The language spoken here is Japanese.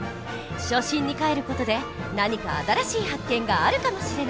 初心にかえる事で何か新しい発見があるかもしれない！